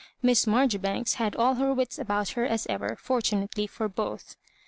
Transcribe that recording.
Miss Maijoribanks had all her wits about her, as ever, fortunately for both.